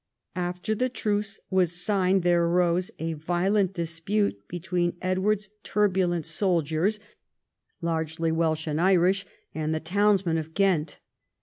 After the truce was signed, there arose a violent dis pute between Edward's turbulent soldiers, largely Welsh and Irish, and the townsmen of Ghent.